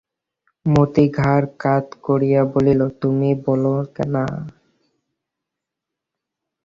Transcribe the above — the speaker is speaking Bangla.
মতি ঘাড় কাত করিয়া বলিল, তুমিই বলো না?